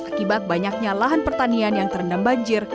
akibat banyaknya lahan pertanian yang terendam banjir